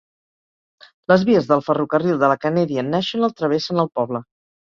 Les vies del ferrocarril de la Canadian National travessen el poble.